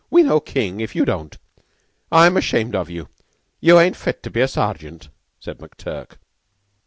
We know King, if you don't. I'm ashamed of you. You ain't fit to be a sergeant," said McTurk.